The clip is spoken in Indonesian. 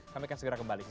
kami akan segera kembali